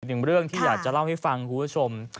หนึ่งเรื่องที่อยากจะเล่าให้ฟังคุณผู้ชม